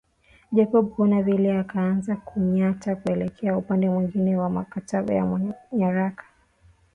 Jacob kuona vile akaanza kunyata kuelekea upande mwingine wa makabati ya nyaraka